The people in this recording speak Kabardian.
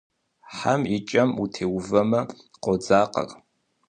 Хьэм и кӏэм утеувэмэ, къодзакъэр.